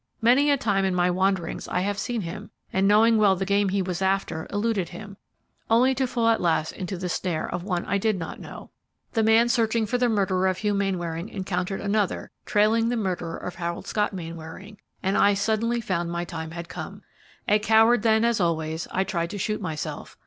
Many a time in my wanderings I have seen him, and, knowing well the game he was after, eluded him, only to fall at last into the snare of one whom I did not know. The man searching for the murderer of Hugh Mainwaring encountered another, trailing the murderer of Harold Scott Mainwaring, and I suddenly found my time had come! A coward then, as always, I tried to shoot myself.